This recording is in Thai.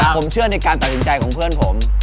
ผมเชื่อในการตัดสินใจของเพื่อนผม